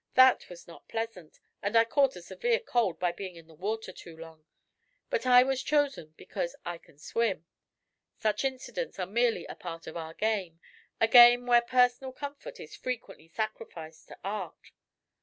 That was not pleasant and I caught a severe cold by being in the water too long; but I was chosen because I can swim. Such incidents are merely a part of our game a game where personal comfort is frequently sacrificed to art.